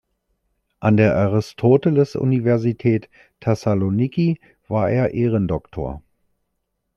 An der Aristoteles-Universität Thessaloniki war er Ehrendoktor.